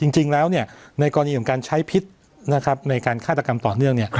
จริงแล้วในกรณีของการใช้พิษในการฆาตกรรมต่อเนื่อง